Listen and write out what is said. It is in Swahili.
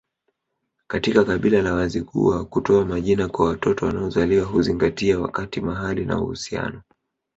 Katika kabila la Wazigua kutoa majina kwa watoto wanaozaliwa huzingatia wakati mahali na uhusiano